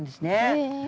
へえ。